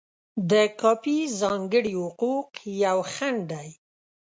د کاپي ځانګړي حقوق یو خنډ دی.